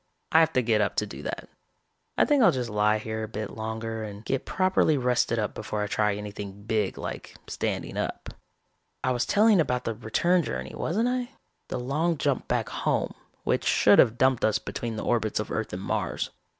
I'd have to get up to do that. I think I'll just lie here a little bit longer and get properly rested up before I try anything big like standing up. "I was telling about the return journey, wasn't I? The long jump back home, which should have dumped us between the orbits of Earth and Mars.